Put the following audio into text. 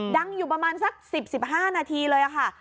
ดังอยู่ประมาณสัก๑๐๑๕นาทีเลยค่ะ